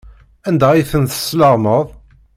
Anda ay ten-tesleɣmaḍ?